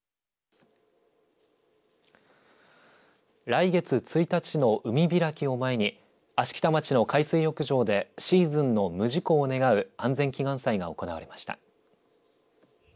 来月１日の海開きを前に、芦北町の海水浴場で、シーズンの無事故を願う、安全祈願祭が行われました。